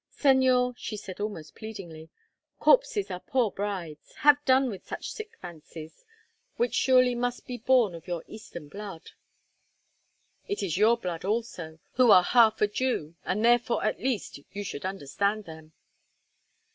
"Señor," she said almost pleadingly, "corpses are poor brides; have done with such sick fancies, which surely must be born of your Eastern blood." "It is your blood also, who are half a Jew, and, therefore, at least you should understand them."